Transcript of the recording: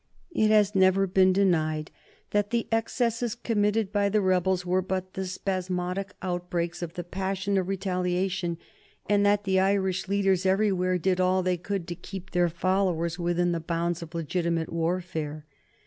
It has never been denied that the excesses committed by the rebels were but the spasmodic outbreaks of the passion of retaliation, and that the Irish leaders everywhere did all they could to keep their followers within the bounds of legitimate warfare.